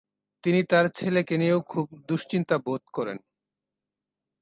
তিনি তাঁর ছেলেকে নিয়েও খুব দুশ্চিন্তা বোধ করেন।